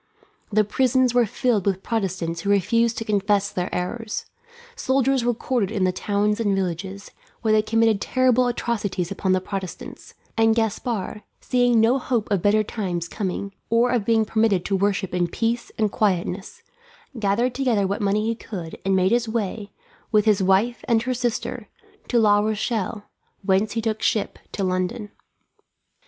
The prisons were filled with Protestants who refused to confess their errors; soldiers were quartered in the towns and villages, where they committed terrible atrocities upon the Protestants; and Gaspard, seeing no hope of better times coming, or of being permitted to worship in peace and quietness, gathered together what money he could and made his way, with his wife and her sister, to La Rochelle, whence he took ship to London.